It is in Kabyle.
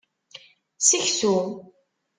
Seksu.